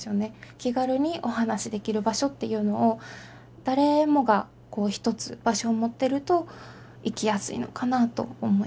気軽にお話しできる場所っていうのを誰もがこう１つ場所を持ってると生きやすいのかなと思います。